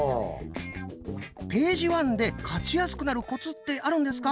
ページワンで勝ちやすくなるコツってあるんですか？